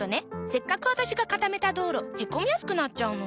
せっかく私が固めた道路へこみやすくなっちゃうの。